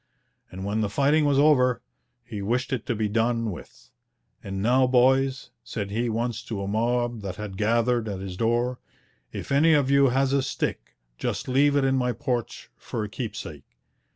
And when the fighting was over, he wished it to be done with. 'And now, boys,' said he once to a mob that had gathered at his door, 'if any of you has a stick, just leave it in my porch for a keepsake.'